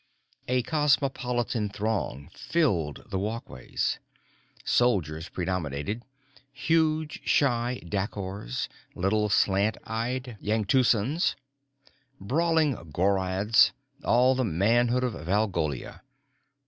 A cosmopolitan throng filled the walkways. Soldiers predominated huge, shy Dacors, little slant eyed Yangtusans, brawling Gorrads, all the manhood of Valgolia.